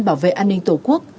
bảo vệ an ninh tổ quốc